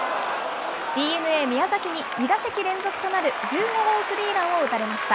ＤｅＮＡ、宮崎に２打席連続となる１５号スリーランを打たれました。